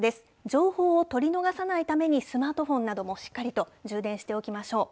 情報を取り逃さないために、スマートフォンなどもしっかりと充電しておきましょう。